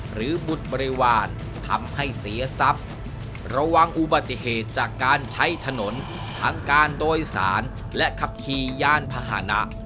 บุตรบริวารทำให้เสียทรัพย์ระวังอุบัติเหตุจากการใช้ถนนทั้งการโดยสารและขับขี่ย่านพาหนะ